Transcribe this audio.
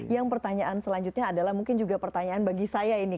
yang pertanyaan selanjutnya adalah mungkin juga pertanyaan bagi saya ini